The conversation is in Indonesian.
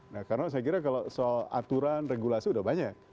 nah karena saya kira kalau soal aturan regulasi sudah banyak